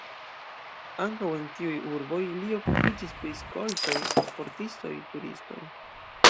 Ankaŭ en tiuj urboj li okupiĝis pri skoltoj, sportistoj, turistoj.